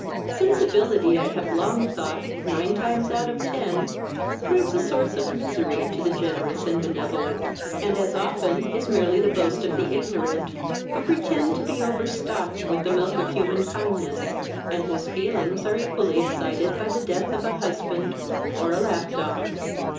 Sensibility I have long thought, nine times out of ten, proves a source of misery to the generous and benevolent, and as often is merely the boast of the ignorant, who pretend to be overstocked with the milk of human kindness, and whose feelings are equally excited by the death of a husband or a lap dog.